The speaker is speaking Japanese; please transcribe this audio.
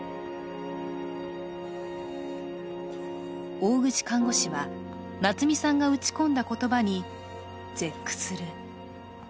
大口看護師は、夏美さんが打ち込んだ言葉に絶句する。